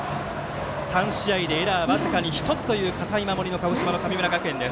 ３試合でエラー僅かに１つという高い守りの鹿児島の神村学園。